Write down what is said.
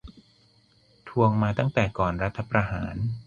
ทวงมาตั้งแต่ก่อนรัฐประหาร